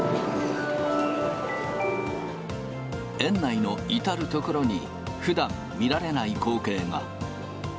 園内の至る所にふだん見られない光景が。